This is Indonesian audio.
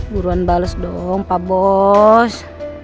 buruan bales dong pak bos